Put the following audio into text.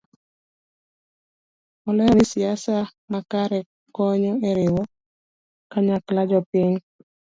Olero ni siasa makare konyo e riwo kanyakla jopiny